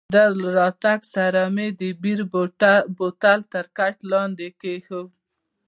د دې له راتګ سره مې د بیر بوتل تر کټ لاندې کښېښود.